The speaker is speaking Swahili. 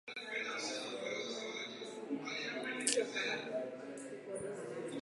Mfano wa vyakula vya protini ni mayai na aina zote za nyama mfano samaki